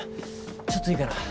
ちょっといいかな？